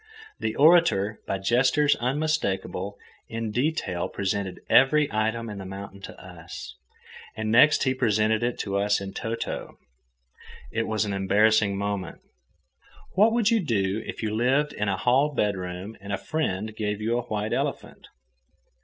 The orator, by gestures unmistakable, in detail presented every item in the mountain to us, and next he presented it to us in toto. It was an embarrassing moment. What would you do if you lived in a hall bedroom and a friend gave you a white elephant?